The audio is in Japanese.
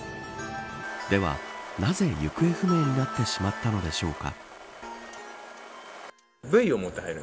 では、なぜ行方不明になってしまったのでしょうか。